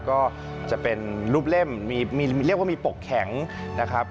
ก็จะเป็นรูปเล่มมีเรียกว่ามีปกแข็งนะครับ